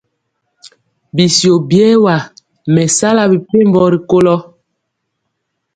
Ɓisio ɓiɛwa me sala mɛpembo rikolo.